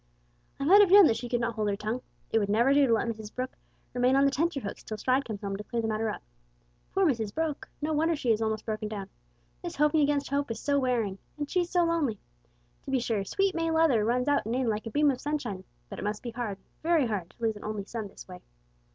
"I might have known that she could not hold her tongue. It would never do to let Mrs Brooke remain on the tenter hooks till Stride comes home to clear the matter up. Poor Mrs Brooke! No wonder she is almost broken down. This hoping against hope is so wearing. And she's so lonely. To be sure, sweet May Leather runs out and in like a beam of sunshine; but it must be hard, very hard, to lose an only son in this way.